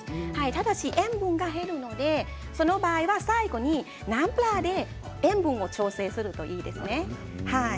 ただし塩分が減るのでその場合最後にナムプラーで塩分を調整するといいですね。